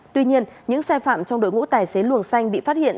tuy nhiên những xe phạm trong đội ngũ tài xế luồng xanh bị phát hiện